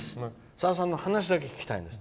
さださんの話が聞きたいんです。